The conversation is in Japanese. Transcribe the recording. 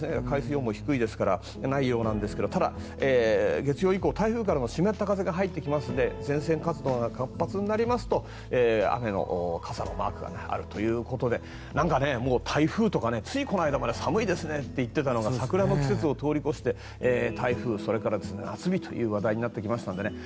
海水温も低いですからないようなんですが月曜以降、台風からの湿った風が入ってきますので前線活動が活発になりますと雨、傘のマークがあるということで台風とかついこの間まで寒いですねって言っていたのが桜の季節を通り越して台風それから夏日という話題になってきましたので。